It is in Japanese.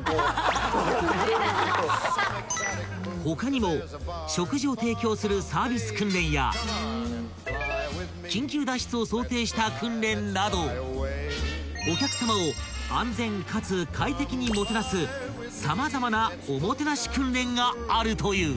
［他にも食事を提供するサービス訓練や緊急脱出を想定した訓練などお客さまを安全かつ快適にもてなす様々なおもてなし訓練があるという］